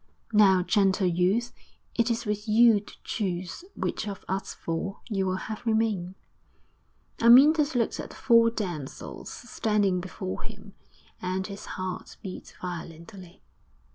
'Now, gentle youth, it is with you to choose which of us four you will have remain.' Amyntas looked at the four damsels standing before him, and his heart beat violently.